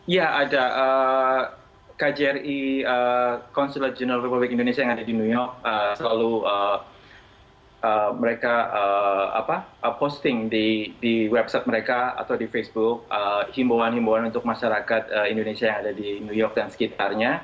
ya ada kjri konsulat general republik indonesia yang ada di new york selalu mereka posting di website mereka atau di facebook himbauan himbauan untuk masyarakat indonesia yang ada di new york dan sekitarnya